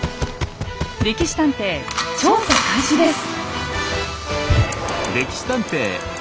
「歴史探偵」調査開始です。